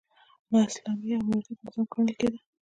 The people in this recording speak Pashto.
نا اسلامي او مردود نظام ګڼل کېده.